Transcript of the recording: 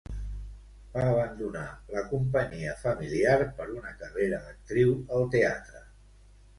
Va abandonar la companyia familiar per una carrera d'actriu al teatre.